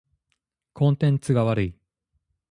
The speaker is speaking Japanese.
コンテンツが悪い。